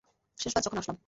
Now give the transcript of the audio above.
শেষবার যখন আসলাম?